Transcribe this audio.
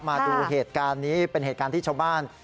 มาดูเหตุการณ์นี้เป็นเหตุการณ์ที่ชาวบ้าน